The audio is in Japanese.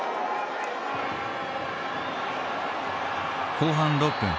後半６分。